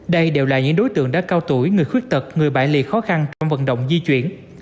đây đều là những đối tượng đã cao tuổi người khuyết tật người bại liệt khó khăn trong vận động di chuyển